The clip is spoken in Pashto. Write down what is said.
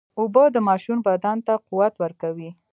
اوبه د ماشوم بدن ته قوت ورکوي.